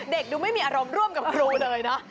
เด็กดูไม่มีอารมณ์ร่วมกับครูเลยเนอะ